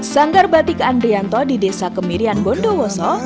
sanggar batik andrianto di desa kemirian bondowoso